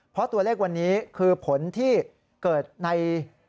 เพราะตัวเลขวันนี้คือผลที่เกิดใน